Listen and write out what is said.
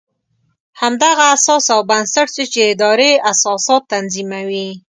همدغه اساس او بنسټ دی چې ادارې اساسات تنظیموي.